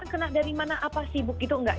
kena dari mana apa sibuk itu enggak